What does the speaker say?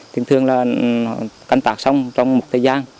thường thường là tạc xong trong một thời gian